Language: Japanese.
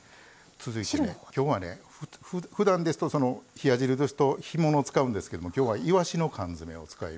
続いてねきょうはねふだんですと冷や汁ですと干物を使うんですけどもきょうはいわしの缶詰を使います。